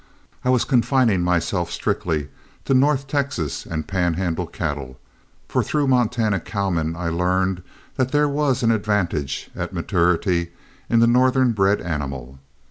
I was confining myself strictly to north Texas and Pan Handle cattle, for through Montana cowmen I learned that there was an advantage, at maturity, in the northern bred animal.